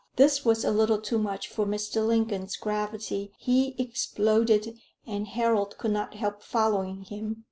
This was a little too much for Mr. Lingon's gravity; he exploded, and Harold could not help following him.